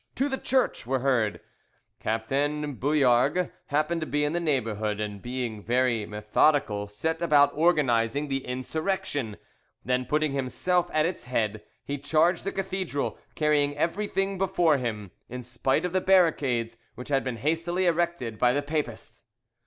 to the church!" were heard. Captain Bouillargues happened to be in the neighbourhood, and being very methodical set about organising the insurrection; then putting himself at its head, he charged the cathedral, carrying everything before him, in spite of the barricades which had been hastily erected by the Papists.